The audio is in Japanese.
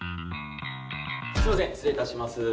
すいません失礼致します。